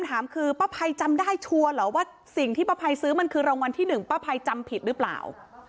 ถามคือป้าภัยจำได้ชัวร์เหรอว่าสิ่งที่ป้าภัยซื้อมันคือรางวัลที่๑ป้าภัยจำผิดหรือเปล่า